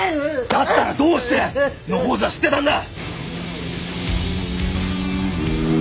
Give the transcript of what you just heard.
だったらどうして野放図は知ってたんだ！